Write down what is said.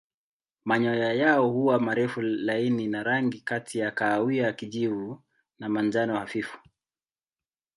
Manyoya yao huwa marefu laini na rangi kati ya kahawia kijivu na manjano hafifu.